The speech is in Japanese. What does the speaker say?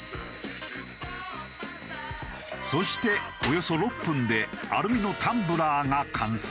そしておよそ６分でアルミのタンブラーが完成。